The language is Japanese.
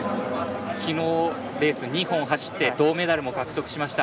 昨日、レース２本走って銅メダルも獲得しました。